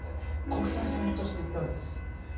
国際線として行ったわけです。